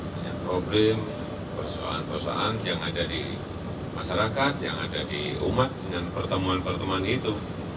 banyak problem persoalan persoalan yang ada di masyarakat yang ada di umat dengan pertemuan pertemuan itu